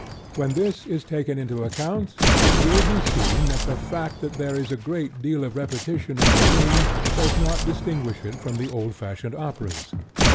When this is taken into account, it will be seen that the fact that there is a great deal of repetition in The Ring does not distinguish it from the old fashioned operas.